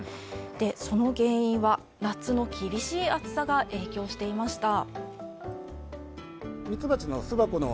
その原因は夏の厳しい暑さが影響していました。